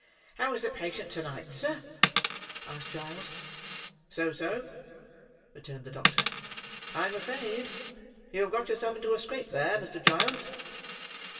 "How is the patient to night, sir?" asked Giles. "So so"; returned the doctor. "I am afraid you have got yourself into a scrape there, Mr. Giles."